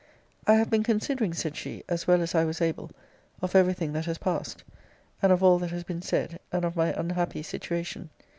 I have been considering, said she, as well as I was able, of every thing that has passed; and of all that has been said; and of my unhappy situation.